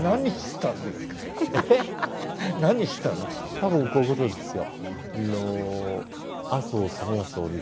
多分こういうことですよ。